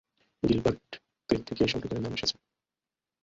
Gilbert Creek থেকে এই সম্প্রদায়ের নাম এসেছে।